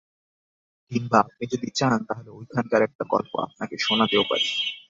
কিংবা আপনি যদি চান তাহলে ঐখানকার একটা গল্প আপনাকে শোনাতেও পারি।